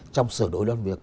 trong sở đổi đoàn việc